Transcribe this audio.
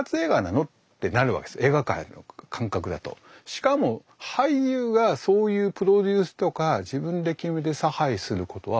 しかも俳優がそういうプロデュースとか自分で決めて差配することはまかりならぬ。